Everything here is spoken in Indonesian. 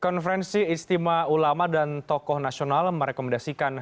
konferensi istimewa ulama dan tokoh nasional merekomendasikan